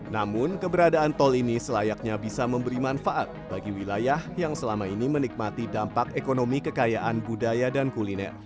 namun keberadaan tol ini selayaknya bisa memberi manfaat bagi wilayah yang selama ini menikmati dampak ekonomi kekayaan budaya dan kuliner